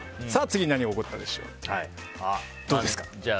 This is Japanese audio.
次、何が起こったでしょう？